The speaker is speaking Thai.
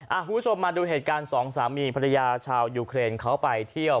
คุณผู้ชมมาดูเหตุการณ์สองสามีภรรยาชาวยูเครนเขาไปเที่ยว